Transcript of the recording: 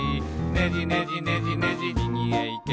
「ねじねじねじねじみぎへいけ」